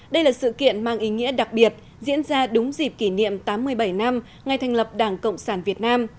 đây là sự kiện mang ý nghĩa đặc biệt diễn ra đúng dịp kỷ niệm tám mươi bảy năm ngày thành lập đảng cộng sản việt nam